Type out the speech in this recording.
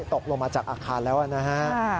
ตกลงมาจากอาคารแล้วนะฮะ